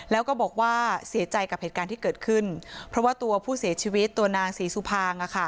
แล้วก็บอกว่าเสียใจกับเหตุการณ์ที่เกิดขึ้นเพราะว่าตัวผู้เสียชีวิตตัวนางศรีสุภาง